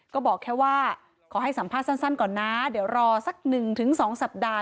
ก็บอกแค่ว่าขอให้สัมภาษณ์สั้นสั้นก่อนนะเดี๋ยวรอสักหนึ่งถึงสองสัปดาห์